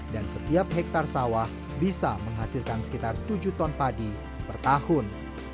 dan setiap hektar sawah bisa menghasilkan sekitar tujuh ton padi per tahun